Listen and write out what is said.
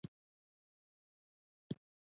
پلار یې عبدالحمید خان بزګر او ژرندګړی و